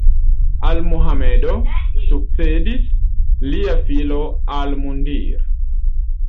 Al Mohamedo sukcedis lia filo Al-Mundir.